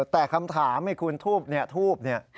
แต่คำถามให้คุณทูบเนี่ย